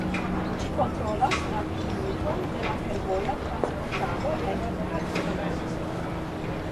Ĝi kontrolas la plimulton de la fervoja transportado en Ukrainio.